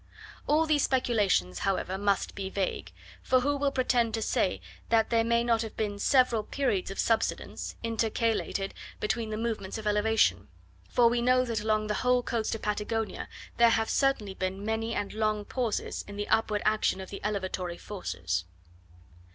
All these speculations, however, must be vague; for who will pretend to say that there may not have been several periods of subsidence, intercalated between the movements of elevation; for we know that along the whole coast of Patagonia, there have certainly been many and long pauses in the upward action of the elevatory forces.